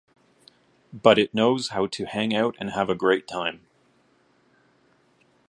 But it knows how to hang out and have a great time.